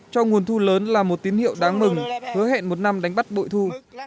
cho nguồn thu lớn là một tín hiệu đáng mừng hứa hẹn một năm đánh bắt bội thu